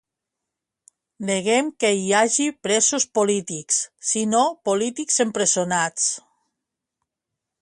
Neguen que hi hagi presos polítics, sinó "polítics empresonats".